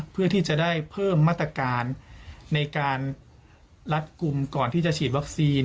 เพื่อที่จะได้เพิ่มมาตรการในการรัดกลุ่มก่อนที่จะฉีดวัคซีน